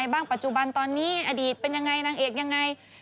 โอ๊ยมารออเจ้าอ่ะสินี่ก็เป็นอย่างนี้